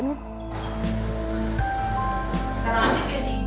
kalau nanti kayak gini